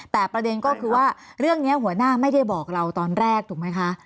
แต่ประเด็นก็คือว่าเรื่องนี้หัวหน้าไม่ได้บอกเราตอนแรกถูกไหมคะ